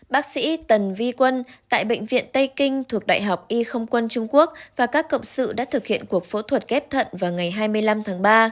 bác sĩ tần vi quân tại bệnh viện tây kinh thuộc đại học y không quân trung quốc và các cộng sự đã thực hiện cuộc phẫu thuật ghép thận vào ngày hai mươi năm tháng ba